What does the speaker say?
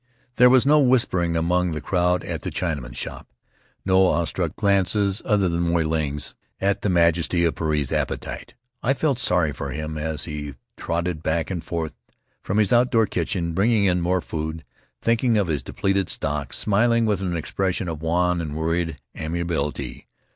There was no whispering among the crowd at the Chinaman's shop, no awestruck glances other than Moy Ling's, at the majesty of Puarei's appetite. I felt sorry for him as he trotted back and forth from his outdoor kitchen, bringing in more food, thinking of his depleted stock, smiling with an expression of wan and worried amiability.